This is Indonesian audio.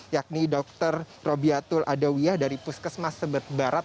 yakni dokter robiatul adawiyah dari puskesmas sebet barat